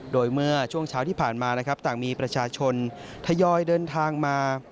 โดยเมื่อช่วงเช้าที่ผ่านมานะครับต่างมีประชาชนทยอยเดินทางมา